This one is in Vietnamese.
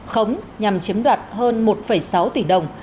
khống nhằm chiếm đoạt hơn một sáu tỷ đồng